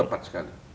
itu tepat sekali